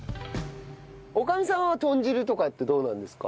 女将さんは豚汁とかってどうなんですか？